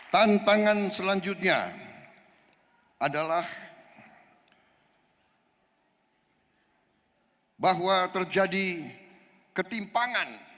tantangan selanjutnya adalah bahwa terjadi ketimpangan